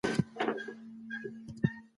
امن ژوند د خلکو ترمنځ باور او همکاري زیاتوي.